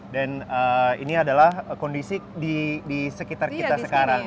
dan ini adalah kondisi di sekitar kita sekarang